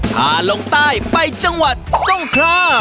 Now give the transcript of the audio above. พาลงใต้ไปจังหวัดทรงครา